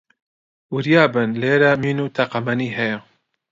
وریا بن، لێرە مین و تەقەمەنی هەیە